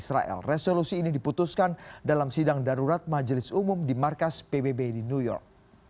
resolusi ini diputuskan dalam sidang darurat majelis umum di markas pbb di new york